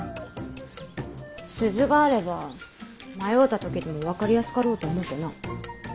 鈴があれば迷うた時でも分かりやすかろうと思うてな。